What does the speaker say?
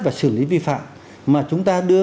và xử lý vi phạm mà chúng ta đưa